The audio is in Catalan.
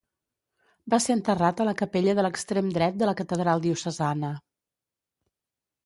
Va ser enterrat a la capella de l'extrem dret de la catedral diocesana.